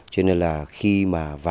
cho nên là khi mà vào